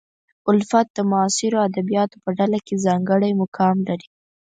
الفت د معاصرو ادیبانو په ډله کې ځانګړی مقام لري.